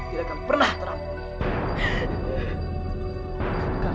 tidak akan pernah terampuni oleh musuh allah ta'ala